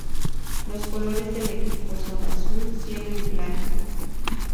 Los colores del equipo son azul cielo y blanco.